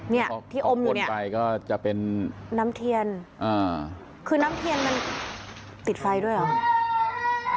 นี่ที่อมอยู่นี่น้ำเทียนคือน้ำเทียนมันติดไฟด้วยหรือ